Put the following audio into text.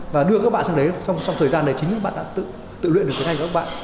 và đưa các bạn sang đấy trong thời gian đấy chính là bạn đã tự luyện được tiếng anh của các bạn